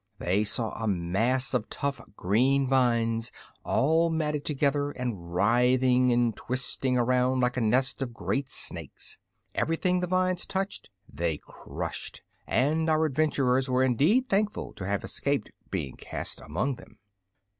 They saw a mass of tough green vines all matted together and writhing and twisting around like a nest of great snakes. Everything the vines touched they crushed, and our adventurers were indeed thankful to have escaped being cast among them.